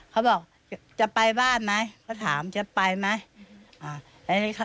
เขาบอกจะไปบ้านไหมเขาถามจะไปไหม